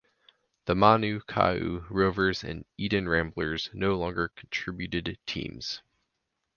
The Manukau Rovers and Eden Ramblers no longer contributed teams.